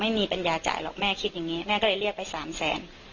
ไม่มีปัญญาจ่ายหรอกแม่คิดอย่างนี้แม่ก็เลยเรียกไปสามแสน